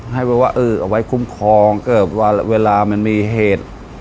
ให้แบบว่าเออเอาไว้คุ้มครองเกิดว่าเวลามันมีเหตุ